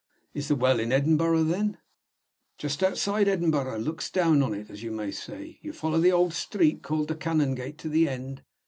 "Is the Well in Edinburgh, then?" "It's just outside Edinburgh looks down on it, as you may say. You follow the old street called the Canongate to the end.